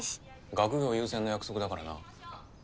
学業優先の約束だからな。